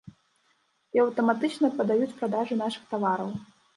І, аўтаматычна, падаюць продажы нашых тавараў.